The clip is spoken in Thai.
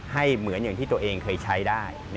เหมือนอย่างที่ตัวเองเคยใช้ได้